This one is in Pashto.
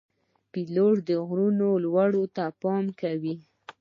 پیلوټ د غرونو لوړو ته پام کوي.